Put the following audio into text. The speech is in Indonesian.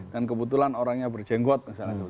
kebetulan orangnya berjenggot misalnya